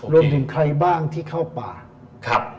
รวมถึงใครบ้างที่เข้าป่าครับ